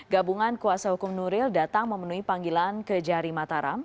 gabungan kuasa hukum nuril datang memenuhi panggilan kejari mataram